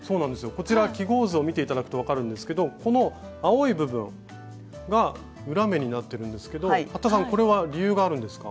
こちら記号図を見て頂くと分かるんですけどこの青い部分が裏目になってるんですけど服田さんこれは理由があるんですか？